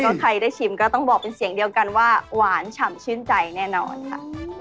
ถ้าใครได้ชิมก็ต้องบอกเป็นเสียงเดียวกันว่าหวานฉ่ำชื่นใจแน่นอนค่ะ